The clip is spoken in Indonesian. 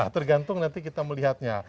tergantung nanti kita melihatnya